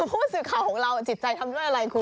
ผู้สื่อข่าวของเราจิตใจทำด้วยอะไรคุณ